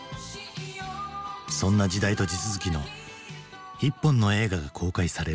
そんな時代と地続きの一本の映画が公開される。